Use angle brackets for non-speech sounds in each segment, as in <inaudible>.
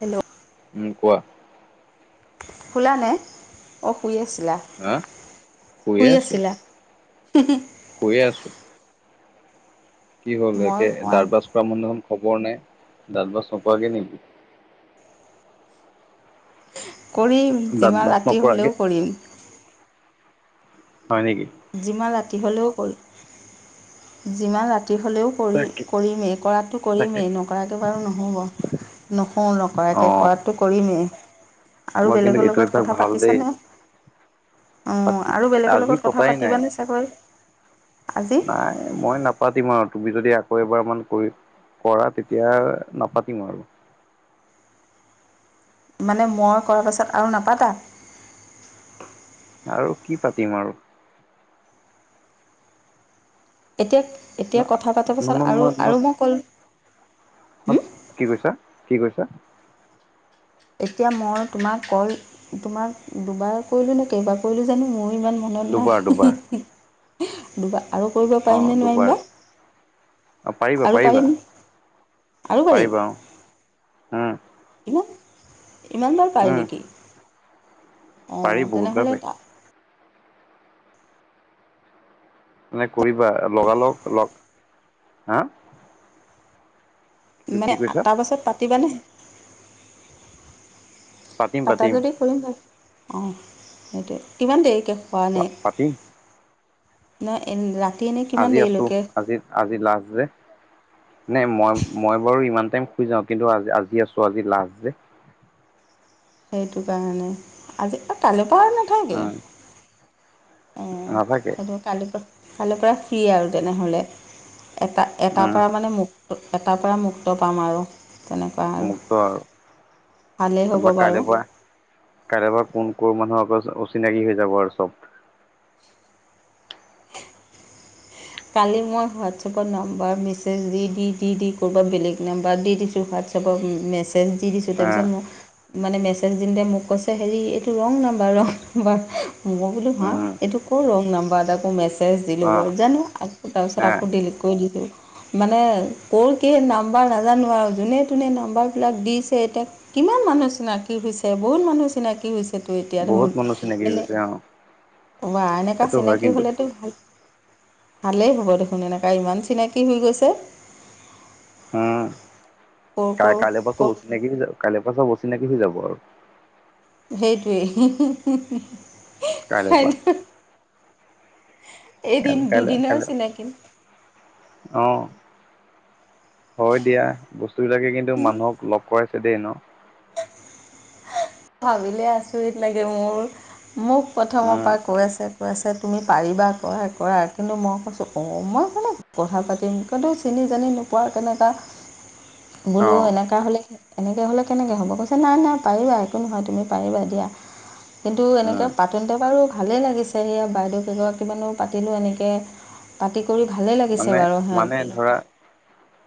Hello উম' কোৱা। শুলানে, অ' শুই আছিলা, হা শুইয়ে শুই আছিলা? <unintelligible> শুৱেই আছো। কি হ'ল, মই একে শুৱা দাঁত ব্ৰাছ কৰা <unintelligible> হ'ব নে, দাঁত ব্ৰাছ নকৰাকেই নিম। কৰিম, দাঁত যিমান ব্ৰাছ ৰাতি নকৰাকে হ'লেও কৰিম। হয় নেকি যিমান ৰাতি হ'লেও কৰিম যিমান ৰাতি হ'লেও কৰি তাকে কৰিমেই কৰাটো তাকে কৰিমেই নকৰাতো বাৰু নহ'ব। নুশুওঁ অ নকৰাকে কৰাটো কৰিমেই আৰু তোমাৰ কিন্তু বেলেগৰ এইটো লগত অভ্যাস কথা ভাল দেই পাতিছানে অ পাতি আৰু বেলেগৰ আজি লগত কথা পতাই নাই পাতিবানে চাগৈ আজি নাই মই নাপ নাপাতিম আৰু তুমি যদি আকৌ এবাৰমান কৰি কৰা তেতিয়া নাপাতিম আৰু মানে মই কৰাৰ পাছত আৰু নাপাতা আৰু কি পাতিম আৰু এতিয়া এতিয়া কথা পাতাৰ পাছত আৰু আৰু মই ক'ল হ হুম? কি কৈছা কি কৈছা এতিয়া মই তোমাক কল তোমাক দুবাৰ কৰিলো নে কেইবাৰ কৰিলো জানো মোৰ ইমান মনত দুবাৰ নাই হি দুবাৰ হি হি দুবাৰ আৰু কৰিব পাৰিম নে দুবাৰ নোৱাৰিম বা অ পাৰিবা আৰু পাৰিবা পাৰিম আৰু পাৰিম পাৰিবা অ উম। হয় না ইমান বাৰ পাৰি উম নেকি অ পাৰি বহুতবাৰ তেনেহ'লে পাৰি তা মানে কৰিবা লগালগ লগ হা। মানে কি আ কৈছা তাৰ পাছত পাতিবানে পাতিম পাতা পাতিম যদি কৰিম বাৰু অ সেইটোৱে কিমান দেৰিকে পোৱা নাই পাতিম নহয় ৰাতি এনেই কিমান আজি আছো দেৰিলৈকে আজি লাষ্ট যে নাই মই মই বাৰু ইমান টাইম শুই যাওঁ কিন্তু আজি আজি আছো আজি লাষ্ট যে সেইটো কাৰণে আজি কালৈ পৰা নো নাথাকে উম অ নাথাকে হ'ব। কালিৰ পৰা কালৈৰ পৰা ফ্ৰী আৰু তেনেহ'লে এটা এটাৰ উম পৰা মানে মোক এটাৰ পৰা মুক্ত পাম আৰু তেনেকুৱা আৰু সেইটো আৰু ভালেই হ'ব তাৰপৰা কাইলৈ বাৰু পৰা কাইলৈ পৰা কোন কৰ মানুহ আকৌ অচিনাকি হৈ যাব আৰু চব <unintelligible> কালি মই হোৱাটছএপত নাম্বাৰ মেছেজ দি দি দি দি ক'ৰবাত বেলেগ নাম্বাৰ দি দিছোঁ হোৱাটছএপ। চবক মেছেজ দি দিছোঁ আহ তাৰপিছত মোক মানে মেছেজ দিওতে মোক কৈছে হেৰি এইটো ৰং নাম্বাৰ ৰং নাম্বাৰ মই বোলো হা উম এইটো কৰ ৰং নাম্বাৰ তাকো মেছেজ অ দিলোগৈ' জানো আকৌ এ তাৰপিছত আকৌ ডিলিট কৰি দিলো মানে ক'ৰ কি নাম্বাৰ নাজানো আৰু যোনে তোনে নাম্বাৰবিলাক দিছে এতিয়া কিমান মানুহ চিনাকি হৈছে বহুত মানুহ চিনাকি হৈছে। এইটো এতিয়া ধৰ বহুত মানুহ চিনাকি হৈ এনে গৈছে অ ওৱা এনেকুৱা সেইটো হয় চিনাকি কিন্তু হ'লেতো ভালেই ভালেই হ'ব দেখোন এনেকুৱা ইমান চিনাকি হৈ গৈছে উম কৰ কাই কৰ কাইলৈ পৰা কৰ চব অচিনাকি হৈ কাইলৈ পৰা অচিনাকি হৈ যাব আৰু সেইটোৱেই হি হি হি কাইলৈ পৰা এদিন দুদিনৰ চিনাকি অহ হয় দিয়া বস্তু বিলাকে কিন্তু মানুহক লগ কৰাইছে দেই ন ভাবিলে আচৰিত লাগে মোৰ মোক প্ৰথমৰ উম পৰা কৈ আছে কৈছে তুমি পাৰিবা, কৰা, কৰা। কিন্তু মই কৈছোঁ অ, মই কিনো কথা পাতিম, কিন্তু চিনি জানি পোৱা কেনেকা, বোলো অঁ এনেকা হলে এনেকে হলে কেনেকে হ'ব? কৈছে নাই, নাই, পাৰিবা, একো নহয় তুমি পাৰিবা দিয়া কিন্তু উম এনেকৈ পাতোঁতে বাৰু ভালেই লাগিছে, সেয়া বাইদেউ কেইগৰাকীমানো পাতিলোঁ, এনেকৈ পাতি কৰি ভালেই লাগিছিল মানে মানে ধৰা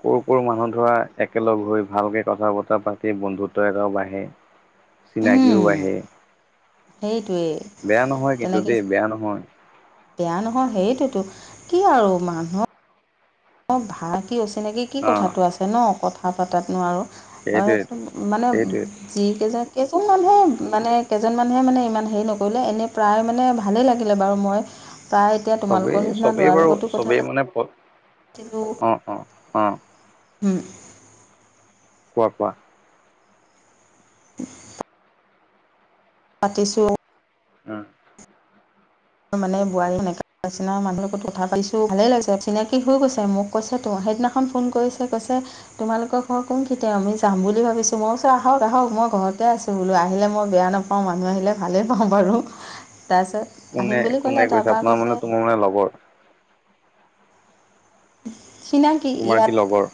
ক'ৰ ক'ৰ মানুহ ধৰা একেলগ হৈ ভালকৈ কথা বতৰা পাতি বন্ধুত্ব এটাও বাঢ়ে চিনাকিও বাহে সেইটোৱেই বেয়া নহয় কিন্তু তেনেকৈ দেই, বেয়া নহয়। বেয়া নহয় সেইটোতো, কি আৰু মানুহৰ অ, ভা কি, অচিনাকি কি, অ কথাটো আছে ন, কথা পাতাত নো আৰু? সেইটোৱেইটো <unintelligible> মানে সেইটোৱেইটো যি কেইজন, কেইজন মানুহে, মানে কেইজন মানুহে মানে ইমান হেৰি নকৰিলে, এনে প্ৰায় মানে ভালেই লাগিলে বাৰু, মই প্ৰায় এতিয়া চবেই তোমালোকৰ নিচিনা চবেই ল'ৰাৰ বাৰু লগতো কথা পাতি <inaudible> তিলো অ, অ, অ'। উম। কোৱা, কোৱা <inaudible> পাতিছোঁ আ অ' মানে বোৱাৰী <unintelligible> পাইছে নহয়, মানুহে <unintelligible> ভালে লাগিছে, চিনাকি হৈ গৈছে মোক কৈছেতো, সেইদিনাখন ফোন কৰিছে, কৈছে তোমালোকৰ ঘৰ কোন খিনিতে, আমি যাম বুলি ভাবিছো, মই কৈছোঁ আহক, আহক, মই ঘৰতে আছোঁ বুলো আহিলে মই বেয়া নাপাওঁ, মানুহ আহিলে ভালেই পাওঁ বাৰু। তাৰপিছত কোনে আহিম বুলি কোনে ক'লে, তাৰপা আপোনাৰ মানে কৈছে তোমাৰ লগৰ? চিনাকি তোমাৰ কি ইয়াত লগৰ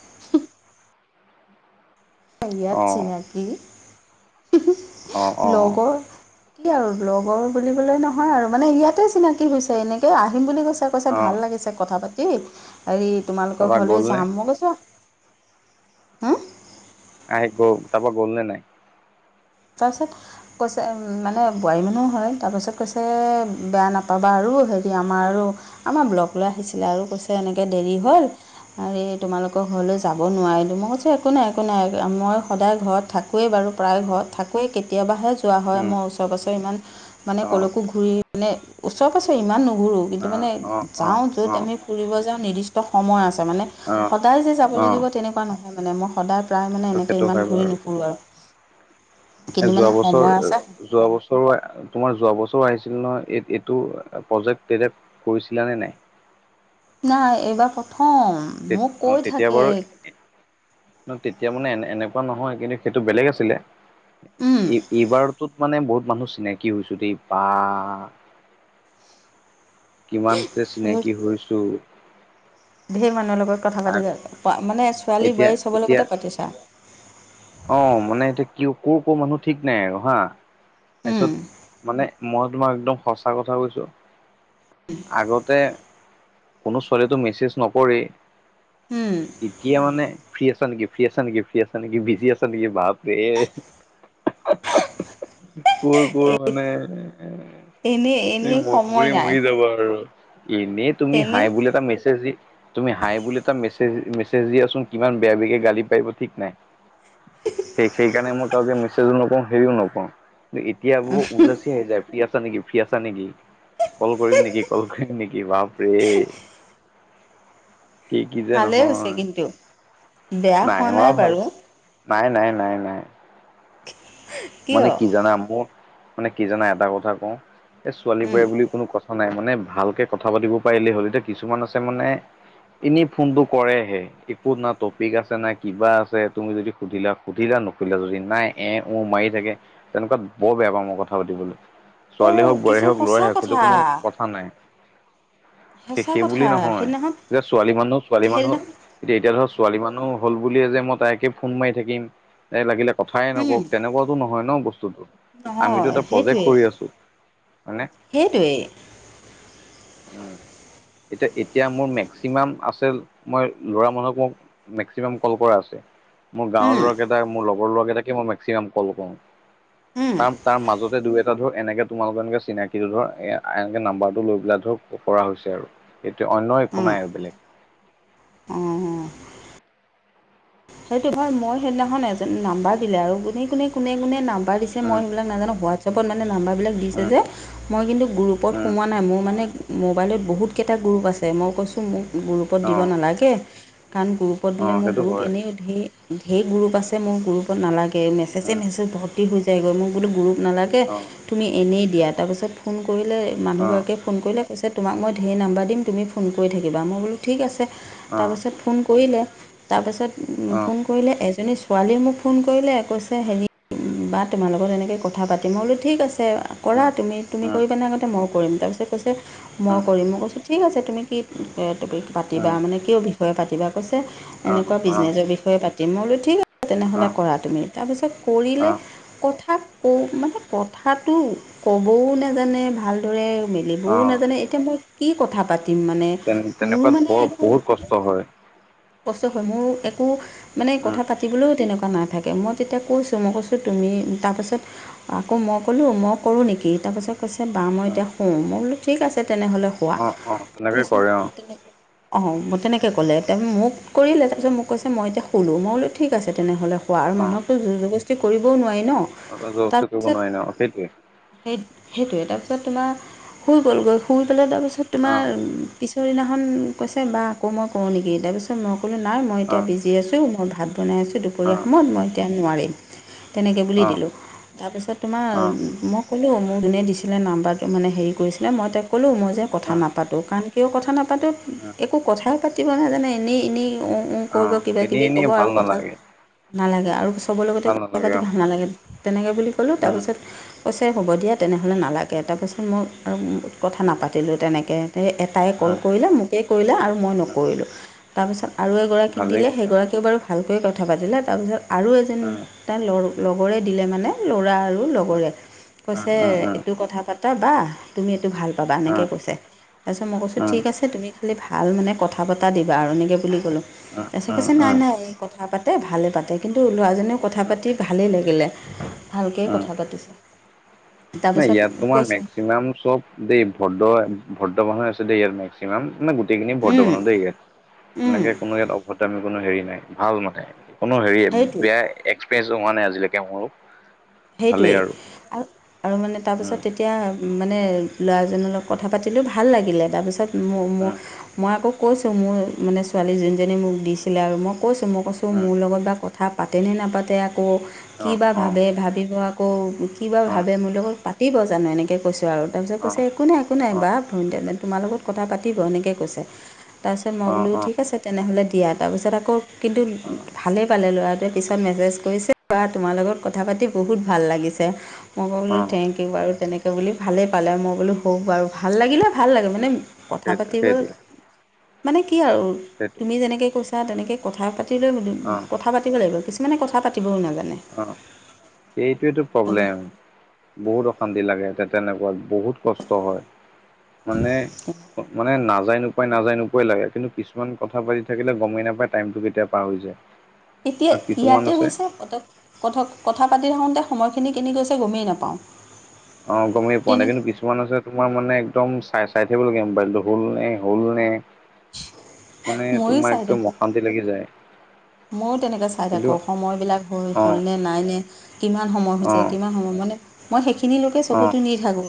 ইয়াত অঁ চিনাকি, অঁ অঁ লগৰ কি আৰু লগৰ বুলিবলে নহয় আৰু, মানে ইয়াতে চিনাকি হৈছে, এনেকে আহিম বুলি কৈছে কৈছে অঁ ভাল লাগিছে কথা পাতি, হেৰি তোমালোকৰ তাৰপৰা ঘৰলৈ গ'লনে যাম, মই কৈছোঁ অ'। আহি গ' তাৰ পৰা গ'ল নে নাই? তাৰপিছত কৈছে মানে বোৱাৰী মানুহ হয়, তাৰপিছত কৈছে বেয়া নাপাবা আৰু, হেৰি আমাৰ আৰু আমাৰ ব্লকলৈ আহিছিলে আৰু কৈছে এনেকে দেৰি হ'ল আহি তোমালোকৰ ঘৰলৈ যাব নোৱাৰিলোঁ, মই কৈছোঁ একো নাই, একো নাই, মই সদায় ঘৰত থাকো ৱেই বাৰু, প্ৰায় ঘৰত থাকোৱেই, কেতিয়াবাহে যোৱা হয় উম মোৰ ওচৰে পাজৰে ইমান মানে অ কলৈকো ঘূৰি নে ওচৰে পাঁজৰে, ইমান নুঘুৰোঁ। কিন্তু অ মানে অ অ যাওঁ য'ত আমি অ ফুৰিব যাওঁ, নিৰ্দিষ্ট সময় আছে মানে অ সদায় যে যাব অ লাগিব তেনেকুৱা নহয় মানে, মই সদায় প্ৰায় মানে সেইটো এনেকে সেইটো ইমান হয় ঘূৰি বাৰু নুফুৰো আৰু কিন্তু যোৱা মানে বছৰ সময় আছে এ যোৱা বছৰ, তোমাৰ যোৱা বছৰো আহিছিল নহয়, এই এইটো প্ৰজেক্ট, তেতিয়া কৰিছিলা নে নাই? নাই এইবাৰ প্ৰথম। তে মোক কৈ অ', তেতিয়া থাকে বাৰু তেতিয়া মানে এ এনেকুৱা নহয় কিন্তু সেইটো বেলেগ আছিলে উম এই এইবাৰতোত মানে বহুত মানুহ চিনাকি হৈছো দেই বা কিমানকে চিনাকি হৈছো ঢেৰ মানুহৰ লগত কথা পাতি থা মানে ছোৱালী এতিয়া বোৱাৰী চবৰ এতিয়া লগতে পাতিছা অ মানে এতিয়া ক ক ক মানুহ ঠিক নাই আৰু হা উম তাৰপিছত মানে মই তোমাক একদম সঁচা কথা কৈছো আগতে কোনো ছোৱালীয়েটো মেছেজ নকৰেই উম এতিয়া মানে ফ্ৰী আছা নেকি ফ্ৰী আছা নেকি ফ্ৰী আছা নেকি বিজি আছা চবেই বাপৰে ক'ৰ ক'ৰ মানে এনেই এই এনেই সময় মৰি নাই মৰি যাবা আৰু এনেই তুমি এনেই হাই বুলি এটা মেছেজ দি তুমি হাই বুলি এটা মেছেজ মেছেজ দিয়াচোন কিমান বেয়া বেগে গালি পাৰিব ঠিক নাই <unintelligible> সেই সেইকাৰণে মই কাউকে মেছেজো নকৰো হেৰিও নকৰো কিন্তু এতিয়াবোৰ উপজাচি আহি যায় ফ্ৰী আছা নেকি ফ্ৰী আছা নেকি কল কৰিম নেকি কল কৰিম নেকি বাপৰে কি কি যে ভালেই হৈছে নহয় কিন্তু বেয়া হোৱা নাই বাৰু নাই নাই নাই নাই <inaudible> মানে কি জানা মোক মানে কি জানা এটা কথা কওঁ এই ছোৱালী উম বোৱাৰী বুলি কোনো কথা নাই মানে ভালকে কথা পাতিব পাৰিলে হ'ল এতিয়া কিছুমান আছে মানে এনেই ফোনটো কৰেহে একো না টপিক আছে নাই কিবা আছে তুমি যদি সুধিলা সুধিলা নুখুধিলা যদি নাই এ ও মাৰি চাগে তেনেকুৱা বৰ বেয়া পাওঁ মই কথা পাতিবলৈ ছোৱালী অ' হওক বোৱাৰী কিছুমান হওক ল'ৰাই সঁচা হওক সেইটো কথা কোনো কথা নাই সঁচা সেইবুলি কথা নহয় সেইদিনাখন যে ছোৱালী মানুহ ছোৱালী মানুহ সেইদিনাখন এতিয়া ধৰ ছোৱালী মানুহ হ'ল বুলিয়ে যে মই তাইকে ফোন মাৰি থাকিম তাই লাগিলে কথাই উম নকওঁক তেনেকুৱাতো নহয় ন বস্তুতো আমিতো নহয় এটা প্ৰজেক্ট কৰি আছো হয়নে হেইটোৱেই উম এতিয়া এতিয়া মোৰ মেক্সিমাম আছিল মই লৰা মানুহক মোক মেক্সিমাম কল কৰা আছে মোৰ গাঁৱৰ উম ল'ৰাকেইটা মোৰ লগৰ ল'ৰাকেইটাকে মই মেক্সিমাম কল কৰোঁ উম তাৰ তাৰ মাজতে দুই এটা ধৰক এনেকে তোমালোকৰ এনেকে চিনাকিটো ধৰ এনেকে নাম্বাৰটো লৈ পেলাই ধৰক কৰা হৈছে আৰু সেইটোৱে অন্য একো উম নাই আৰু বেলেগ অ' সেইটো হয় মই সেইদিনাখন এজন নাম্বাৰ দিলে আৰু কোনে কোনে কোনে কোনে নাম নাম্বাৰ দিছে মই উম সেইবিলাক নাজানো হোৱাটছআপত মানে নাম্বাৰবিলাক দিছে উম যে মই কিন্তু গ্ৰুপত উম সোমোৱা নাই মোৰ মানে মোবাইলত বহুতকেইটা গ্ৰুপ আছে মই কৈছোঁ মোক গ্ৰুপত দিব অ', নালাগে কাৰণ গ্ৰুপত দিলে অ', মোৰ সেইটো গ্ৰুপ হয়। এনেই ধেই ধেই গ্ৰুপ আছে মোৰ গ্ৰুপত নালাগে মেছেজে উম, মেছেজ ভৰ্তি হৈ যায়গৈ মোৰ বোলো গ্ৰুপ নালাগে অ', তুমি এনেই দিয়া তাৰপিছত ফোন কৰিলে অ', মানুহগৰাকীয়ে ফোন কৰিলে কৈছে তোমাক মই ধেৰ নাম্বাৰ দিম তুমি ফোন কৰি থাকিবা মই বোলো ঠিক আছে অ', তাৰপাছত ফোন কৰিলে তাৰপাছত অ', ফোন কৰিলে এজনী ছোৱালীয়ে মোক ফোন কৰিলে কৈছে হেৰি বা তোমাৰ লগত এনেকে কথা পাতিম বোলো ঠিক আছে। কৰা উম, তুমি, তুমি উম, কৰিবানে আগতে মই কৰিম, তাৰপিছত কৈছে উম, মই কৰিম, মই কৈছোঁ ঠিক আছে তুমি কি টপিক উম, পাতিবা, মানে কিয় বিষয়ে পাতিবা? কৈছে অ', এনেকুৱা অ', বিজনেছৰ বিষয়ে। পাতিম মই বোলো ঠিক আছে তেনেহ'লে অ', কৰা তুমি। তাৰপিছত কৰিলে অ', কথা কও মানে কথাটো ক'বও নেজানে ভাল দৰে মেলিবও অ', নাজানে এতিয়া মই কি কথা পাতি পাতিম মানে তেনে মোৰ তেনেকুৱাত মানে বৰ একো বহুত কষ্ট হয়। কষ্ট হয় মোৰ একো মানে উম, কথা পাতিবলৈও তেনেকুৱা নাথাকে মই তেতিয়া কৈছো মই কৈছো তুমি তাৰপাছত আকৌ মই ক'লোঁ মই কৰোঁ নেকি তাৰপাছত কৈছে বা মই উম, এতিয়া <unintelligible> মই বোলো ঠিক আছে তেনেহ'লে শুৱা অ', অ', তেনেকে তাৰপিছত কৰে অ', তেনেকে অ', তেনেকৈ ক'লে মোক কৰিলে উম, তাৰপিছত মোক কৈছে মই এতিয়া শুলো মই বোলো ঠিক আছে তেনেহ'লে। শুৱা আৰু মানুহকটো জুৰ জবৰদস্তি কৰিবও নোৱাৰি ন'? অ', জুৰবস্তি কৰিব তাৰপিছত নোৱাৰি নহয় সেইটোৱে। সেই সেইটোৱে তাৰপিছত তোমাৰ শুই গ'লগৈ শুই পেলাই তাৰপিছত অ', তোমাৰ পিছৰদিনাখন কৈছে বা আকৌ মই কৰো নেকি তাৰপিছত মই ক'লোঁ নাই মই এতিয়া অ', বিজি জি আছোঁ মই ভাত বনাই আছোঁ অ', দুপৰীয়া অ', সময়ত মই এতিয়া নোৱাৰিম। তেনেকে বুলি দিলোঁ, তাৰপিছত তোমাৰ অ', মোক ক'লোঁ মোৰ যোনে দিছিলে নাম্বাৰটো মানে হেৰি কৰিছিলে মই তেওঁক ক'লোঁ মই যে কথা নাপাতোঁ, কাৰণ কিয় কথা নাপাতো অ'। একো কথাই পাতিব নাজানে এনেই এনেই উম উম কৰিব অ', এনেই কিবা-কিবি এনেই ক'ব আৰু ভাল কথা নালাগে, নালাগে আৰু চবৰে লগতে ভাল কথা নালাগে পাতি অ', ভাল নালাগে তেনেকে বুলি ক'লোঁ, উম, তাৰপিছত কৈছে হ'ব দিয়া তেনেহ'লে নালাগে তাৰপাছত মই আৰু কথা নাপাতিলোঁ তেনেকে তাই কল উম, কৰিলে মোকেই কৰিলে আৰু মই উম। নকৰিলোঁ তাৰপিছত আৰু এগৰাকীক ভালেই দিলে কৰিলা সেইগৰাকীয়েও বাৰু ভালকৈ কথা পাতিলে তাৰপিছত আৰু এজনী উম, তাই ল লগৰে দিলে মানে ল'ৰা আৰু উম, লগৰে উম, কৈছে উম, উম, এইটো কথা পাতা বা তুমি এইটো ভাল পাবা এনেকৈ কৈছে। তাৰপিছত মই কৈছো উম, ঠিক আছে তুমি খালি ভাল মানে কথা পতা দিবা আৰু এনেকে বুলি কলো। উম, তাৰপিছত উম, কৈছে নাই, উম, নাই এই কথা পাতে ভালে পাতে কিন্তু ল'ৰাজনেও কথা উম। পাতে পাতি ভালেই লাগিলে ভালকেই উম, কথা পাতিছে। নাই তাৰপাছত ইয়াত তোমাৰ কৈছে মেক্সিমাম চব দেই ভদ্ৰ, ভদ্ৰ মানুহ আছে দেই ইয়াৰ মেক্সিমাম নানে গোটেইখিনি ভদ্ৰ মানুহ দেই ইয়াত। এনেকে কোনো ইয়াত অভদ্ৰামি কোনো হেৰি নাই ভাল মানে কোনো হেৰিয়ে সেইটোৱে বেয়া এক্স <unintelligible> হোৱা নাই আজিলৈকে মোৰো। ভালেই সেইটোৱেই আৰু আৰু মানে উম, তাৰপিছত এতিয়া মানে ল'ৰাজনৰ লগত কথা পাতিলো ভাল লাগিলে, তাৰপিছত উম, <unintelligible> মই আকৌ কৈছোঁ মোৰ মানে ছোৱালী যোনজনী মোক দিছিলে আৰু মই কৈছোঁ মই কৈছোঁ ত' উম। মোৰ লগত বা কথা পাতেনে নাপাতে আকৌ কি অ', বা অ', ভাবে, ভাবিব আকৌ কিবা অ', ভাবে মোৰ লগত পাতিব জানো এনেকৈ কৈছোঁ আৰু তাৰপিছত অ', কৈছে অ', একো নাই একো নাই বা তোমাৰ লগত কথা পাতিব এনেকে কৈছে তাৰপিছত মই অ', বোলো অ', ঠিক আছে তেনেহ'লে দিয়া তাৰপিছত আকৌ কিন্তু অ', ভালেই পালে ল'ৰা পিছত মেছেজ কৰিছে বা তোমাৰ লগত কথা পাতি বহুত ভাল লাগিছে। মই অ', ক'লোঁ অ'। থেংক ইউ বাৰু তেনেকৈ বুলি ভালেই পালে মই বোলো হওক বাৰু ভাল লাগিলে ভাল লাগে মানে কথা সেইটো পাতিব সেইটোৱে মানে কি আৰু সেইটোৱে তুমি যেনেকে কৈছা তেনেকে কথা পাতিলে বুলো অ', কথা পাতিব লাগিব কিছ মানে কথা পাতিবও নাজানে। অ', সেইটোৱেতো প্ৰব্লেম। বহুত অশান্তি লাগে তে-তেনেকুৱাত বহুত কষ্ট হয়। মানে মানে নাজায় নো নাযায় নোপোৱাই লাগে কিন্তু কিছুমান কথা পাতি থাকিলে গমেই নাপায় টাইমটো কেতিয়া পাৰ হৈ যায়। এতিয়া আৰু কিছুমান ইয়াতে আছে হৈছে পতক কথক কথা পাতি থাকোতে সময়খিনি কিনি গৈছে গমেই নাপাওঁ। অ', গমেই পোৱা নাই তেনে কিন্তু কিছু মান আছে তোমাৰ মানে একদম চাই চাই থাকিব লগীয়া হয় মোবাইলটো হ'ল নে হ'ল নে। মানে ময়ো তোমাৰ চাই একদম থাকোঁ অশান্তি লাগি যায়। ময়ো তেনেকৈ চাই কিন্তু থাকোঁ সময়বিলাক হ'ল অ হ'লনে নাই নে। কিমান সময় অ হৈছে কিমান সময় মানে মই সেইখিনি লৈকে অ চকুতো নি থাকো।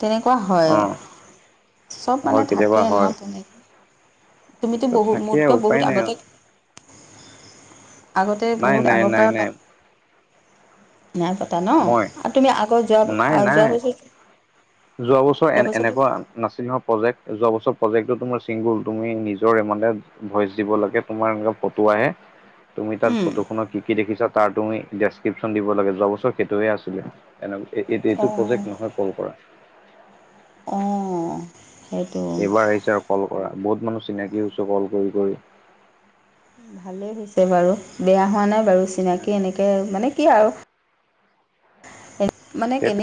তেনেকুৱা হয়, অ চব মানে হয় থাকে কেতিয়াবা ন হয় তেনেকে। তুমিতো ত বহু থাকে মোতকৈ উপায় বহুত নাই আগতে আৰু আগতে নাই বহুত নাই আগৰ নাই পৰা নাই পাত নাই পাত তা ন মই আৰু তুমি আগত নাই যোৱা নাই যোৱাৰ বছৰতো যোৱা বছৰ এ যোৱাৰ বছৰতো এনেকুৱা নাছিল ন প্ৰজেক্ট যোৱা বছৰ প্ৰজেক্টটো তোমাৰ চিংগুল তুমি নিজৰে মানে ভইচ দিব লাগে। তোমাৰ এনেকুৱা ফটো আহে। <inaudible> তুমি তাত উম, ফটো খনত কি কি দেখিছা তাৰ তুমি ডেছক্ৰিপশ্যন দিব লাগে যোৱা বছৰ সেইটোৱে আছিলে। এনেক এই-এই-এইটো অঁ প্ৰজেক্ট নহয় কল কৰা। অ'। এইবাৰ আহিছে আৰু কল কৰা বহুত মানুহ চিনাকি হৈছো কল কৰি কৰি। ভালেই হৈছে বাৰু বেয়া হোৱা নাই বাৰু চিনাকি উম, এনেকে কে মানে কি আৰু মানে কেনে সেই